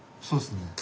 そうですね。